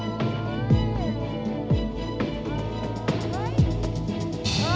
หรือพ่อผู้ชายเจ้าชู้นิดหนึ่งค่ะ